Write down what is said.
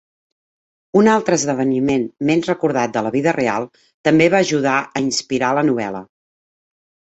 Un altre esdeveniment menys recordat de la vida real també va ajudar a inspirar la novel·la.